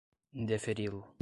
indeferi-lo